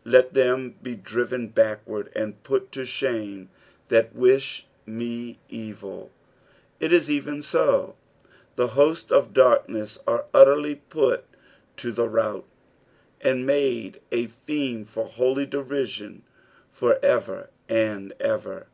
" L^t t/iem be dricen baci uianl and put tc Jinme that wuh ma eeU." It is even so ; the hosts of darkness are utterly put to tb« rout, and made a theme for holy deririon for ever and ever.